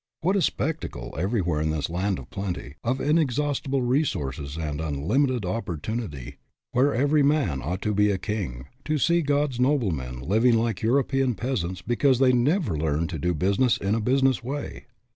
What a spectacle, everywhere in this land of plenty, of inexhaustible resources and un limited opportunity, where every man ought to be a king, to see God's noblemen living like European peasants because they never learned to do business in a business way!